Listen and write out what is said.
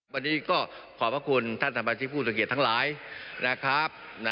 วันนี้ก็ขอบพระคุณท่านสมาชิกผู้ทรงเกียจทั้งหลายนะครับ